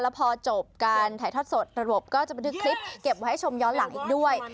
พอจบการถ่ายทอดสดระบบก็จะบันทึกคลิปเก็บไว้ให้ชมย้อนหลังอีกด้วย